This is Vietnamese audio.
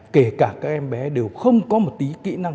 kể cả các em bé đều không có một tí kỹ năng